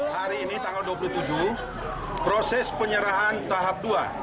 hari ini tanggal dua puluh tujuh proses penyerahan tahap dua